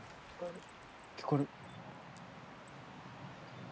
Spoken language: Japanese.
聞こえる。